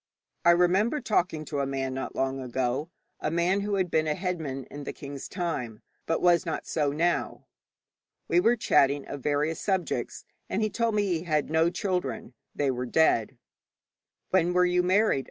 I remember talking to a man not long ago a man who had been a headman in the king's time, but was not so now. We were chatting of various subjects, and he told me he had no children; they were dead. 'When were you married?'